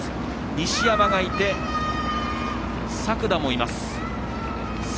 西山がいて、作田もいます。